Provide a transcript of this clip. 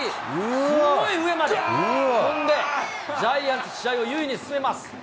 すごい上まで飛んで、ジャイアンツ、試合を優位に進めます。